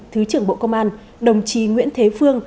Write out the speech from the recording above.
thứ trưởng bộ công an đồng chí nguyễn thế phương